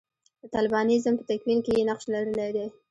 د طالبانیزم په تکوین کې یې نقش لرلی دی.